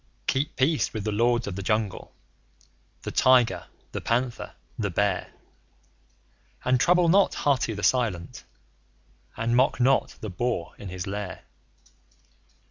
Keep peace with the Lords of the Jungle the Tiger, the Panther, the Bear; And trouble not Hathi the Silent, and mock not the Boar in his lair.